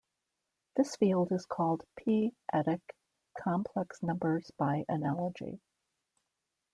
This field is called "p"-adic complex numbers by analogy.